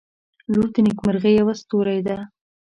• لور د نیکمرغۍ یوه ستوری ده.